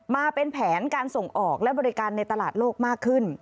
มาเป็นแผนการส่งออกและบริการในตลาดโลกมากขึ้น